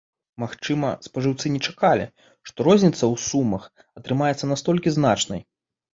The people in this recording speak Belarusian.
Магчыма, спажыўцы не чакалі, што розніца ў сумах атрымаецца настолькі значнай.